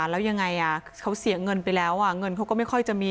แล้วยังไงเขาเสียเงินไปแล้วเงินเขาก็ไม่ค่อยจะมี